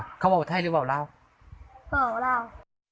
๓๐กว่าเค้าเบาไทยหรือเบาราวเบาเบาราว